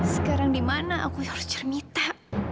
sekarang di mana aku yang harus cerita mita